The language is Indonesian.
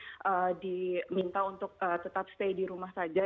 jadi diminta untuk tetap stay di rumah saja